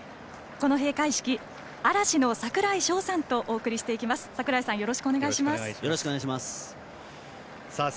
この閉会式嵐の櫻井翔さんとお伝えしていきます。